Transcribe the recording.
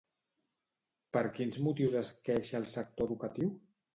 Per quins motius es queixa el sector educatiu?